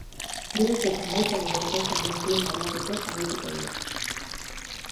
Geroz eta maizago gertatzen diren klima aldaketez arituko dira.